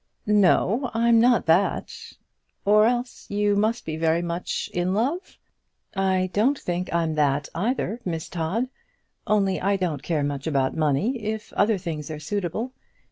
"No, I'm not that." "Or else you must be very much in love?" "I don't think I am that either, Miss Todd; only I don't care much about money if other things are suitable.